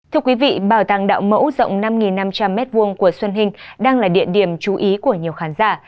thưa quý vị bảo tàng đạo mẫu rộng năm năm trăm linh m hai của xuân hình đang là địa điểm chú ý của nhiều khán giả